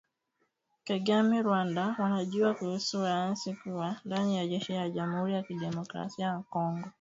Kagame, "Rwanda wanajua kuhusu waasi kuwa ndani ya jeshi la Jamhuri ya Kidemokrasia ya Kongo "